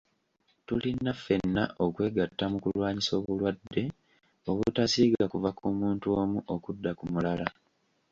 Tulina ffena okwegatta mu kulwanyisa obulwadde obutasiiga kuva ku muntu omu okudda ku mulala.